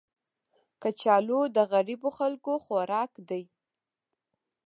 کچالو د غریبو خلکو خوراک دی